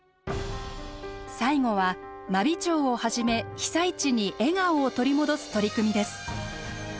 最後は真備町をはじめ被災地に笑顔を取り戻す取り組みです。